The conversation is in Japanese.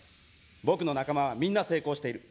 僕の仲間はみんな成功している。